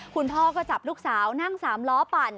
คุณพ่อก็จับลูกสาวนั่ง๓ล้อปั่น